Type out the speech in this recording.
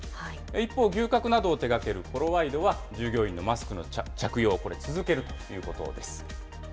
一方、牛角などを手がけるコロワイドは、従業員のマスクの着用、これ続けるということです。